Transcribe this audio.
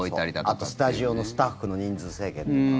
あとスタジオのスタッフの人数制限とか。